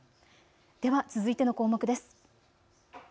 では続いての項目です。